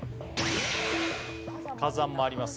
火山もあります